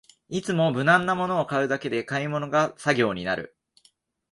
いつも無難なものを買うだけで買い物が作業になる